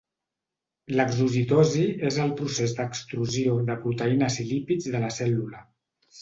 L'exocitosi és el procés d'extrusió de proteïnes i lípids de la cèl·lula.